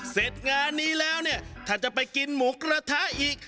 เสร็จงานนี้แล้วเนี่ยถ้าจะไปกินหมูกระทะอีก